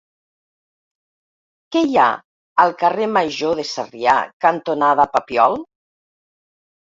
Què hi ha al carrer Major de Sarrià cantonada Papiol?